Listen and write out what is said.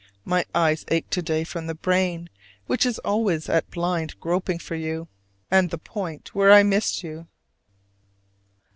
My eyes ache to day from the brain, which is always at blind groping for you, and the point where I missed you.